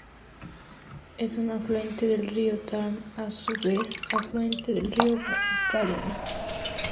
Es un afluente del río Tarn y, a su vez, afluente del río Garona.